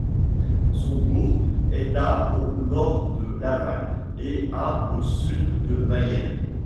Son bourg est à au nord de Laval et à au sud de Mayenne.